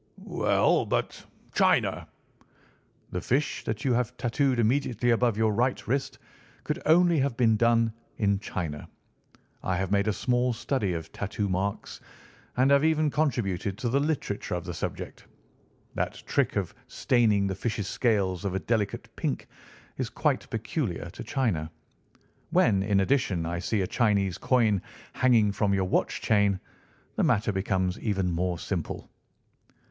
"Well, but China?" "The fish that you have tattooed immediately above your right wrist could only have been done in China. I have made a small study of tattoo marks and have even contributed to the literature of the subject. That trick of staining the fishes' scales of a delicate pink is quite peculiar to China. When, in addition, I see a Chinese coin hanging from your watch chain, the matter becomes even more simple."